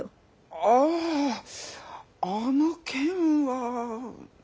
あぁあの件は。